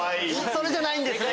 それじゃないんですね。